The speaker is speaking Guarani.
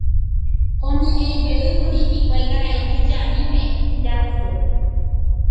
Ome'ẽjeýkuri hikuái karai tujamíme ipirapire